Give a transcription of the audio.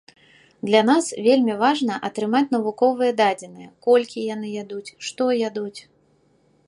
Для нас вельмі важна атрымаць навуковыя дадзеныя, колькі яны ядуць, што ядуць.